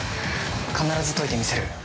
必ず解いてみせる！